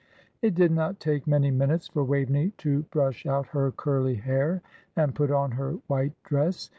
It did not take many minutes for Waveney to brush out her curly hair and put on her white dress.